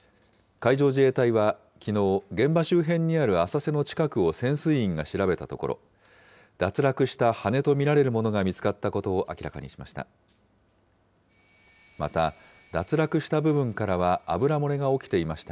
海上自衛隊はきのう、現場周辺にある浅瀬の近くを潜水員が調べたところ、脱落した羽根と見られるものが見つかったことを明らかにしました。